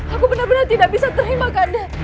aku benar benar tidak bisa terima kak arda